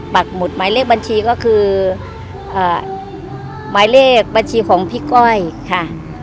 หุดหมายเลขบัญชีก็คือหมายเลขบัญชีของพี่ก้อยค่ะ